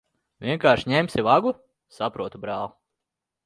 Vienkārši ņemsi vagu? Saprotu, brāl'.